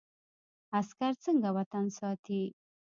عسکر څنګه وطن ساتي؟